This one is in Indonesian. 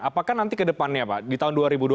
apakah nanti ke depannya pak di tahun dua ribu dua puluh